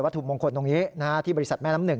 ถูกมงคลตรงนี้ที่บริษัทแม่น้ำหนึ่ง